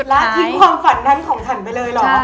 แล้วทิ้งความฝันนั้นของฉันไปเลยเหรอ